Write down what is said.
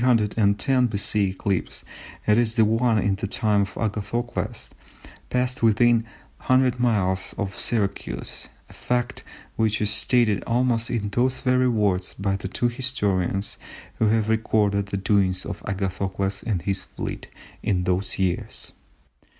eclipse, that is the one in the time of Agathocles, passed within 100 miles of Syracuse, a fact which is stated almost in those very words by the two historians who have recorded the doings of Agathocles and his fleet in those years.